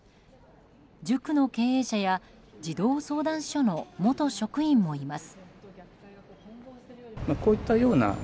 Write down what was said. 塾の経営者や児童相談所の元職員もいます。